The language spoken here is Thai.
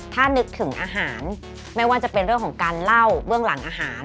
ถ้านึกถึงอาหารไม่ว่าจะเป็นเรื่องของการเล่าเบื้องหลังอาหาร